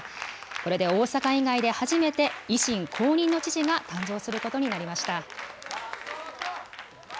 これで大阪以外で初めて維新公認の知事が誕生することになりました。